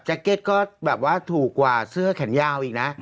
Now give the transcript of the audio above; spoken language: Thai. เก็ตก็แบบว่าถูกกว่าเสื้อแขนยาวอีกนะ